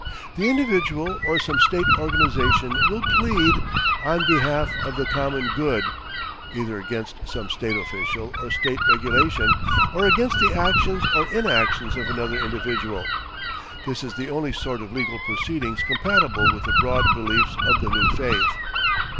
The individual or some state organisation will plead ON BEHALF OF THE COMMON GOOD either against some state official or state regulation, or against the actions or inaction of another individual. This is the only sort of legal proceedings compatible with the broad beliefs of the new faith.